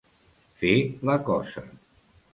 Fer la cosa.